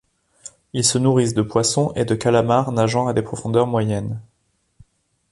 Ils se nourrissent de poissons et de calmars nageant à des profondeurs moyennes.